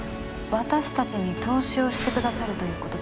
私たちに投資をしてくださるという事ですか？